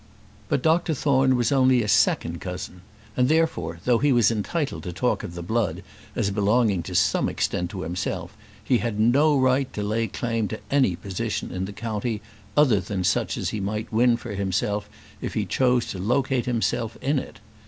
But Dr Thorne was only a second cousin; and, therefore, though he was entitled to talk of the blood as belonging to some extent to himself, he had no right to lay claim to any position in the county other than such as he might win for himself if he chose to locate himself in it.